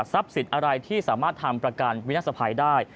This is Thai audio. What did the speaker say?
สินอะไรที่สามารถทำประกันวินาศภัยได้